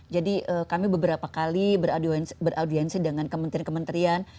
jadi kami beberapa kali beraudiensi dengan kementerian kementerian